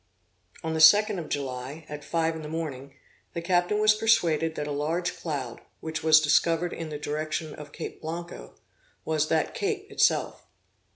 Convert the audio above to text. On the second of July, at five in the morning, the captain was persuaded that a large cloud, which was discovered in the direction of Cape Blanco, was that Cape itself.